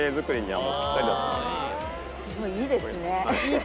すごいいいですね。